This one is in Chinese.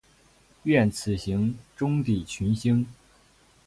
愿此行，终抵群星。